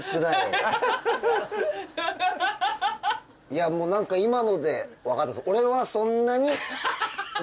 いやもう何か今ので分かった